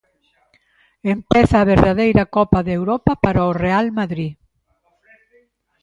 Empeza a verdadeira Copa de Europa para o Real Madrid.